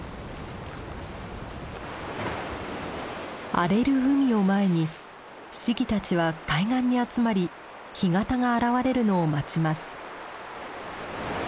荒れる海を前にシギたちは海岸に集まり干潟が現れるのを待ちます。